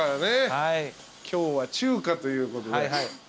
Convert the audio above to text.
今日は中華ということで。